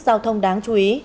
giao thông đáng chú ý